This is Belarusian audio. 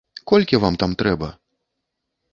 Колькі вам там трэба?